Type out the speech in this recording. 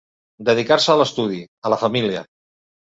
Dedicar-se a l'estudi, a la família.